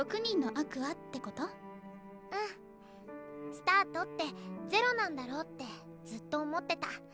スタートって０なんだろうってずっと思ってた。